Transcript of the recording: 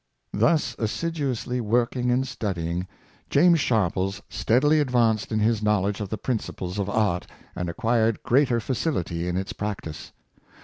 " Thus assiduously working and studying, James Shar 356 yames Sharpies, pies steadily advanced in his knowledge of the princi ples of art, and acquired greater facility in its practice.